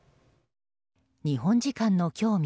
日本時間の今日